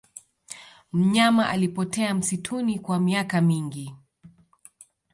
mnyama alipotea msituni kwa miaka mingi